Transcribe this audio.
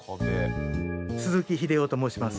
鈴木秀雄と申します。